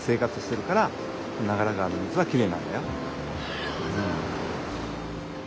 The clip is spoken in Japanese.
なるほど。